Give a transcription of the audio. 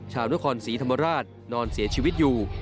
ชาวนครศรีธรรมราชนอนเสียชีวิตอยู่